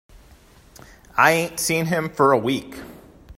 I ain't seen him for a week.